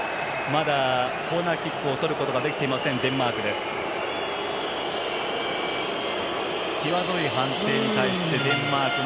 まだコーナーキックをとることができていないデンマーク。